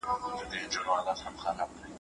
بې له پلانه کار مخکي نه ځي.